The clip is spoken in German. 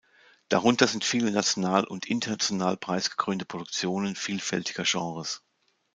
Darunter sind viele national und international preisgekrönte Produktionen vielfältiger Genres.